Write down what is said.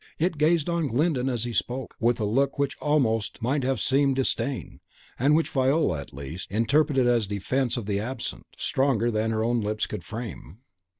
It gazed on Glyndon as he spoke, with a look which almost might have seemed disdain, and which Viola, at least, interpreted as a defence of the Absent, stronger than her own lips could frame.